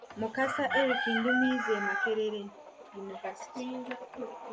Mukasa Eric ndi muyizi e Makekere University.